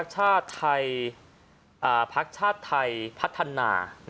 ขณะที่ภาคชาติไทยพัฒนา